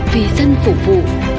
vì dân phục vụ